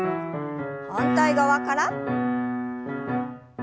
反対側から。